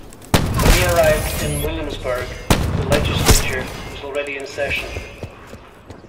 When he arrived in Williamsburg, the legislature was already in session.